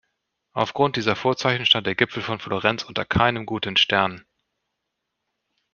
Aufgrund dieser Vorzeichen stand der Gipfel von Florenz unter keinem guten Stern.